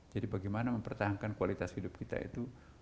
jadi bagaimana mempertahankan kualitas hidup kita itu